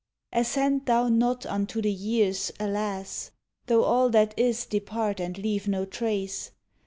Assent thou not unto the year s "Alas!" Tho all that is depart and leave no trace.